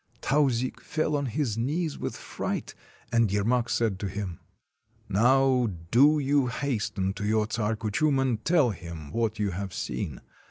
Tauzik fell on his knees with fright, and Yermak said to him :— "Now do you hasten to your Czar Kuchum and tell him what you have seen.